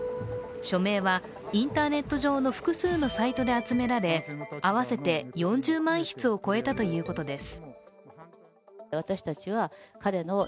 署名はインターネット上の複数のサイトで集められ合わせて４０万筆を超えたということです。